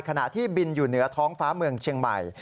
ขณะที่บินอยู่เหนือท้องฟ้าเมืองเชียงใหม่